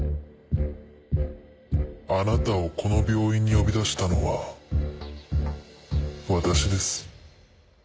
あなたをこの病院に呼び出したのは私です。